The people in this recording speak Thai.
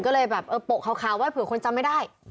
ก็เลยแบบโปะคาวเผื่อคนจำไม่ได้